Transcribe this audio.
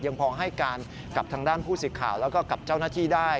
ยังพอให้การกับทางด้านผู้สิทธิ์ข่าวแล้วก็กับเจ้าหน้าที่ได้